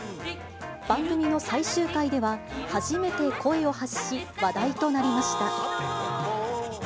番組の最終回では、初めて声を発し、話題となりました。